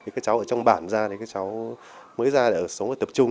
các cháu ở trong bản ra các cháu mới ra ở sống tập trung